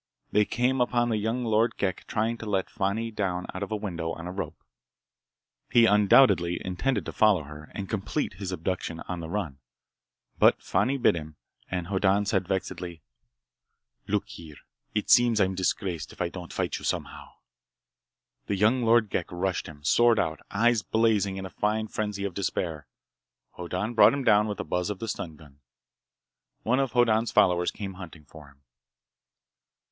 They came upon the young Lord Ghek trying to let Fani down out of a window on a rope. He undoubtedly intended to follow her and complete his abduction on the run. But Fani bit him, and Hoddan said vexedly: "Look here! It seems that I'm disgraced if I don't fight you somehow—" The young Lord Ghek rushed him, sword out, eyes blazing in a fine frenzy of despair. Hoddan brought him down with a buzz of the stun gun. One of Hoddan's followers came hunting for him.